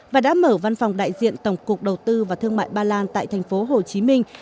và đã mở văn phòng đại diện tổng cục đầu tư và thương mại ba lan tại thành phố hồ chí minh